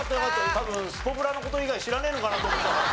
多分スポブラの事以外知らねえのかなと思ってたからさ。